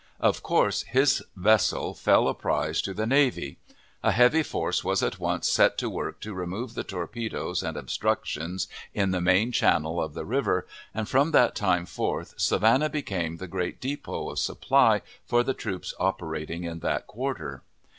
Of coarse his vessel fell a prize to the navy. A heavy force was at once set to work to remove the torpedoes and obstructions in the main channel of the river, and, from that time forth, Savannah became the great depot of supply for the troops operating in that quarter.